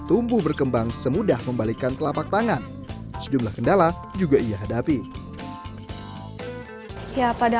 tumbuh berkembang semudah membalikan telapak tangan sejumlah kendala juga ia hadapi ya pada